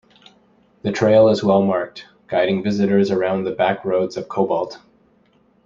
The trail is well marked, guiding visitors around the backroads of Cobalt.